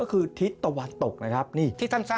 อ๋อออกไปอีก